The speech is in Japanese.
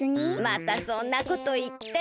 またそんなこといって。